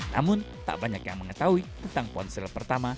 namun tak banyak yang mengetahui tentang ponsel pertama